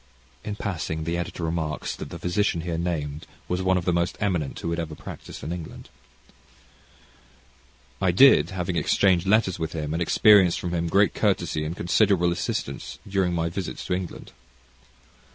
In passing, the editor remarks that the physician here named was one of the most eminent who had ever practised in England. I did, having had letters to him, and had experienced from him great courtesy and considerable assistance during my visit to England.